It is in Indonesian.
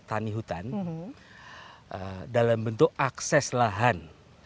tani hutan dalam bentuk akses lahan